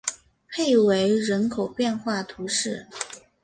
佩维人口变化图示